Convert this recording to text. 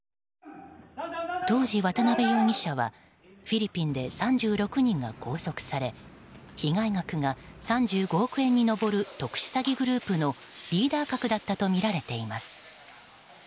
当時、渡辺容疑者はフィリピンで３６人が拘束され被害額が３５億円に上る特殊詐欺グループのリーダ格だったとみられています。